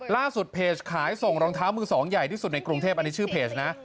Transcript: เพจขายส่งรองเท้ามือสองใหญ่ที่สุดในกรุงเทพอันนี้ชื่อเพจนะ